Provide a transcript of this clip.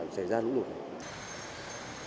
xảy ra lũ lụt